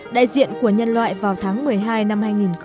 đại diện của nhân loại vào tháng một mươi hai năm hai nghìn một mươi tám